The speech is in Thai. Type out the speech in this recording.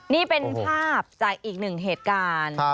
นี่เป็นภาพจากอีกหนึ่งเหตุการณ์